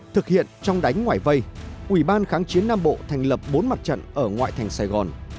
thực hiện trong đánh ngoại vây ủy ban kháng chiến nam bộ thành lập bốn mặt trận ở ngoại thành sài gòn